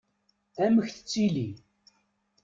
Amek tettili?